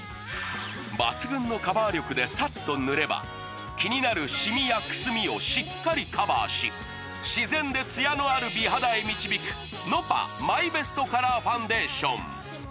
抜群のカバー力でサッと塗れば気になるシミやくすみをしっかりカバーし自然でツヤのある美肌へ導くｎｏｐａマイベストカラーファンデーション